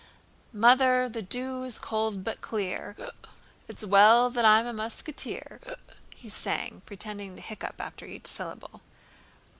"Mother! The dew is cold but clear.... It's well that I'm a musketeer..." he sang, pretending to hiccough after each syllable.